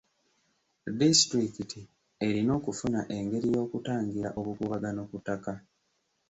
Disitulikiti erina okufuna engeri y'okutangira obukuubagano ku ttaka.